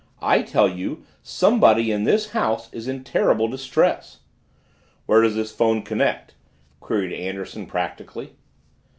I tell you somebody in this house is in terrible distress." "Where does this phone connect?" queried Anderson practically.